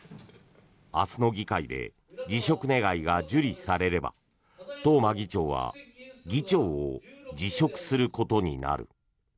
明日の議会で辞職願が受理されれば東間議長は議長を辞職することになる。